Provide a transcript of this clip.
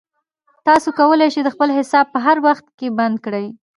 تاسو کولای شئ خپل حساب په هر وخت کې بند کړئ.